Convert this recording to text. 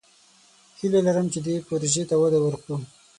هیله لرم چې دې پروژې ته وده ورکړو.